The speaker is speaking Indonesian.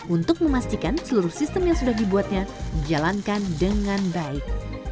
untuk memastikan seluruh sistem yang sudah dibuatnya dijalankan dengan baik